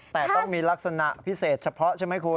แต่ต้องมีลักษณะพิเศษเฉพาะใช่ไหมคุณ